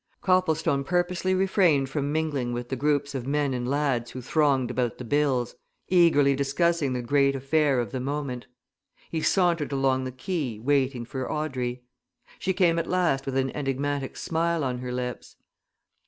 Copplestone purposely refrained from mingling with the groups of men and lads who thronged about the bills, eagerly discussing the great affair of the moment. He sauntered along the quay, waiting for Audrey. She came at last with an enigmatic smile on her lips.